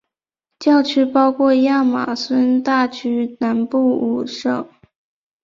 教区包括亚马孙大区南部五省。